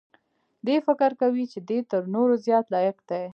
دی فکر کوي چې دی تر نورو زیات لایق دی.